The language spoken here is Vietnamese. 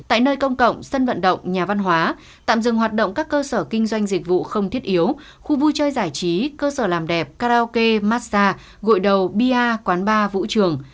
tại nơi công cộng sân vận động nhà văn hóa tạm dừng hoạt động các cơ sở kinh doanh dịch vụ không thiết yếu khu vui chơi giải trí cơ sở làm đẹp karaoke massage gội đầu bia quán bar vũ trường